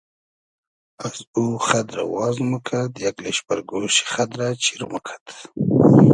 از او خئد رۂ واز موکئد یئگ لیشپئر گۉشی خئد رۂ چیر موکئد